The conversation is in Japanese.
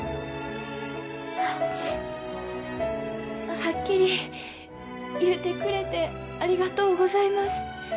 はっきり言うてくれてありがとうございます